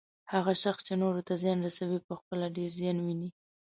هغه شخص چې نورو ته زیان رسوي، پخپله ډیر زیان ويني